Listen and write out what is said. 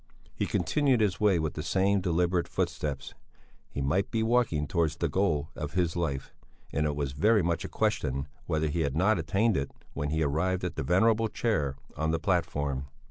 He continued his way with the same deliberate footsteps; he might be walking towards the goal of his life; and it was very much a question whether he had not attained it when he arrived at the venerable chair on the platform.